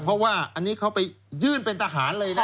เพราะว่าอันนี้เขาไปยื่นเป็นทหารเลยนะ